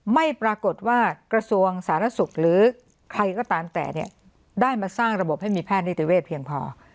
ไม่ปรากฏว่ากระทรวงสาธารณสุขหรือใครก็ตามแต่เนี่ยได้มาสร้างระบบให้มีแพทย์นิติเวศเพียงพอ